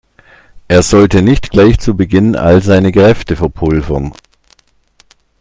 Er sollte nicht gleich zu Beginn all seine Kräfte verpulvern.